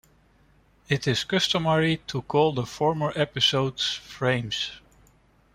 It is customary to call the former episodes "frames".